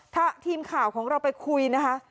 ถ้าทีมข่าวของเราไปคุยนะคะ